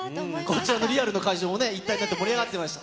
こちらのリアルの会場もね、一体になって、盛り上がってました。